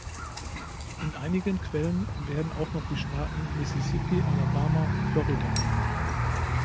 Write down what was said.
In einigen Quellen werden auch noch die Staaten Mississippi, Alabama und Florida genannt.